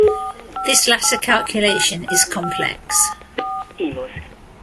This latter calculation is complex.